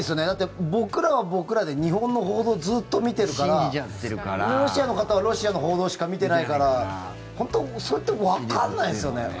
だって、僕らは僕らで日本の報道をずっと見ているからロシアの方はロシアの報道しか見てないから本当にそれってわからないですよね。